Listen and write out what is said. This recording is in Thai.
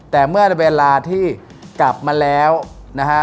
แต่เมื่อเวลาที่กลับมาแล้วนะฮะ